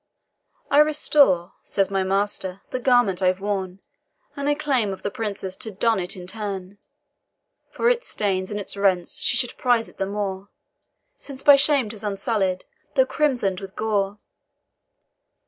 "'I restore,' says my master, 'the garment I've worn, And I claim of the Princess to don it in turn; For its stains and its rents she should prize it the more, Since by shame 'tis unsullied, though crimson'd with gore.'"